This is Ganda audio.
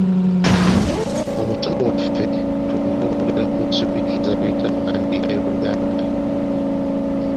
Omusomi waffe, ka twongere okwogera ku nsobi ezirabikira mu mpandiika y'Oluganda.